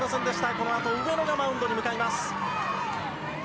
このあと上野がマウンドに向かいます。